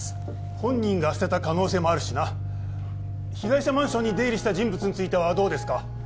本人が捨てた可能性もあるしな被害者マンションに出入りした人物についてはどうですか？